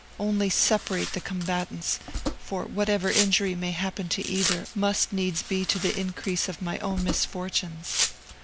Only separate the combatants, for whatever injury may happen to either, must needs be to the increase of my own misfortunes.'